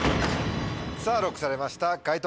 さぁＬＯＣＫされました解答